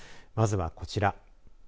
まずは、こちら。